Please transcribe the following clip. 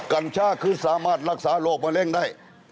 กัญชาคือสามารถรักษาโรคมะเร็งได้